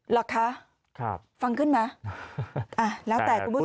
เหรอคะฟังขึ้นไหมแล้วแต่คุณผู้ชม